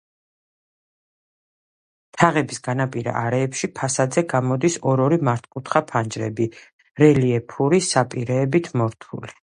თაღების განაპირა არეებში, ფასადზე გამოდის ორ-ორი მართკუთხა ფანჯრები, რელიეფური საპირეებით მორთული.